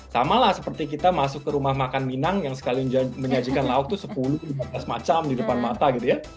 sama lah seperti kita masuk ke rumah makan minang yang sekali menyajikan lauk itu sepuluh lima belas macam di depan mata gitu ya